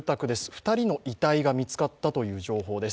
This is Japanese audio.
２人の遺体が見つかったということです。